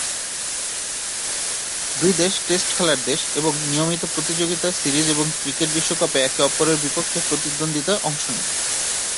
দুই দেশ টেস্ট খেলার দেশ এবং নিয়মিত প্রতিযোগিতা, সিরিজ এবং ক্রিকেট বিশ্বকাপে একে অপরের বিপক্ষে প্রতিদ্বন্দ্বিতায় অংশ নেয়।